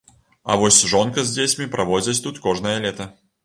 А вось жонка з дзецьмі праводзяць тут кожнае лета.